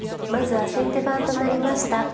まずは先手番となりました